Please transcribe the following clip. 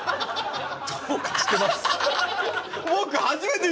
どうかしてます。